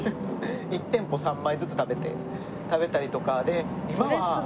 １店舗３枚ずつ食べて食べたりとか。